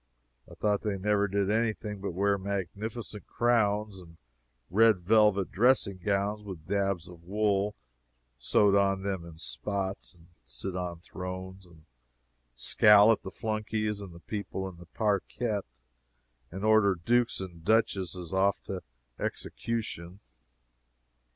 I thought they never did any thing but wear magnificent crowns and red velvet dressing gowns with dabs of wool sewed on them in spots, and sit on thrones and scowl at the flunkies and the people in the parquette, and order Dukes and Duchesses off to execution.